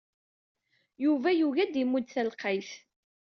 Yuba yugi ad d-imudd talqayt.